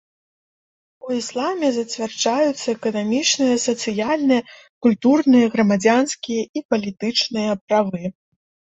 У ісламе зацвярджаюцца эканамічныя, сацыяльныя, культурныя, грамадзянскія і палітычныя правы.